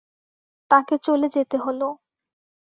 তাকে চলে যেতে হল।